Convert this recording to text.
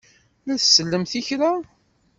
La tsellemt i kra?